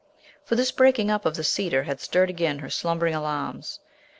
For this breaking up of the cedar had stirred again her slumbering alarms.